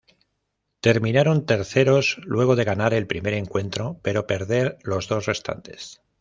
Terminaron terceros luego de ganar el primer encuentro pero perder los dos restantes.